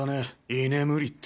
居眠りって。